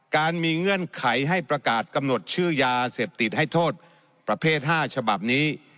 การมีเงื่อนไขให้ประกาศกำหนดชื่อยาเสพติดให้โทษประเภท๕ฉบับนี้